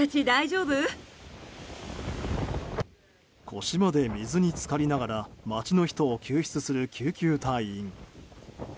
腰まで水に浸かりながら街の人を救出する救急隊員。